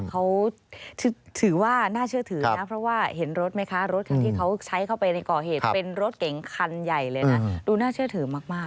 เขาถือว่าน่าเชื่อถือนะเพราะว่าเห็นรถไหมคะรถคันที่เขาใช้เข้าไปในก่อเหตุเป็นรถเก๋งคันใหญ่เลยนะดูน่าเชื่อถือมาก